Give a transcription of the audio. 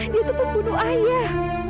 dia itu pembunuh ayah